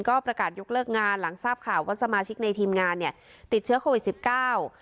ก็ประกาศยกเลิกงานหลังทราบข่าวว่าสมาชิกในทีมงานเนี่ยติดเชื้อโควิดสิบเก้า